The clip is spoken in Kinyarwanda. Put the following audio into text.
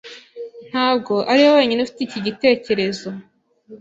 Ntabwo ariwe wenyine ufite iki gitekerezo.